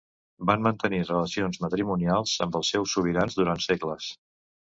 Van mantenir relacions matrimonials amb els seus sobirans durant segles.